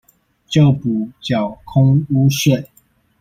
就補繳空屋稅